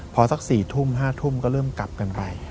พอสัก๔ทุ่ม๕ทุ่มก็เริ่มกลับกันไป